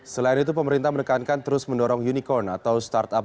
selain itu pemerintah menekankan terus mendorong unicorn atau startup